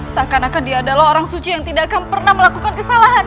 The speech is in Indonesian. seakan akan dia adalah orang suci yang tidak akan pernah melakukan kesalahan